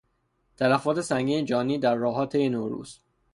تلفات سنگین جانی در راهها طی نوروز